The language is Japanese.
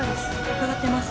伺ってます。